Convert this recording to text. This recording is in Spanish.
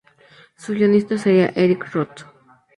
Su guionista sería Eric Roth.